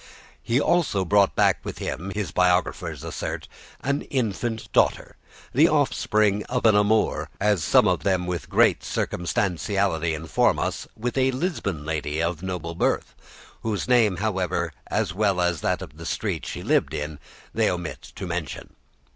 He also brought back with him, his biographers assert, an infant daughter, the offspring of an amour, as some of them with great circumstantiality inform us, with a Lisbon lady of noble birth, whose name, however, as well as that of the street she lived in, they omit to mention.